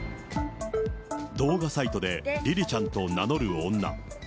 動画サイトでりりちゃんと名乗る女。